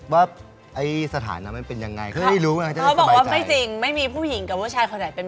บอกกับแฟนเขาอืมอืม